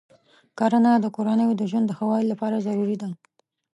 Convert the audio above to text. کرنه د کورنیو د ژوند د ښه والي لپاره ضروري ده.